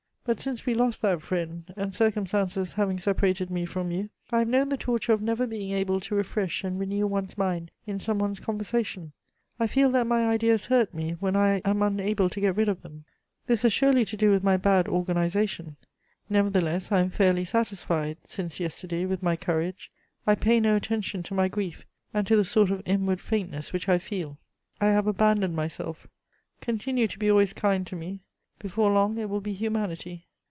But since we lost that friend, and circumstances having separated me from you, I have known the torture of never being able to refresh and renew one's mind in some one's conversation; I feel that my ideas hurt me when I am unable to get rid of them; this has surely to do with my bad organization. Nevertheless I am fairly satisfied, since yesterday, with my courage. I pay no attention to my grief and to the sort of inward faintness which I feel. I have abandoned myself. Continue to be always kind to me: before long it will be humanity.